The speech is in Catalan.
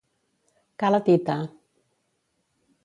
Ca la Tita.